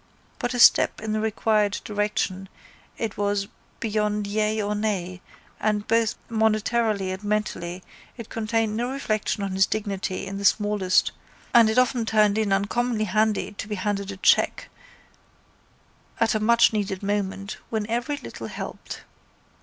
But a step in the required direction it was beyond yea or nay and both monetarily and mentally it contained no reflection on his dignity in the smallest and it often turned in uncommonly handy to be handed a cheque at a muchneeded moment when every little helped.